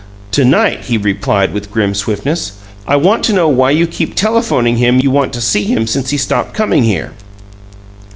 "To night," he replied, with grim swiftness, "I want to know why you keep telephoning him you want to see him since he stopped coming here."